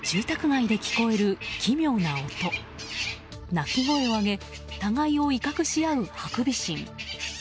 鳴き声を上げ互いを威嚇し合うハクビシン。